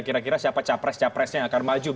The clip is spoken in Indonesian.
kira kira siapa capres capresnya yang akan maju